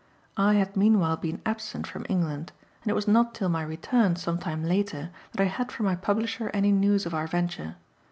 I had meanwhile been absent from England, and it was not till my return, some time later, that I had from my publisher any news of our venture.